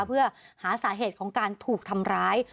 เพื่อหาสาเหตุของการถูกทำร้าย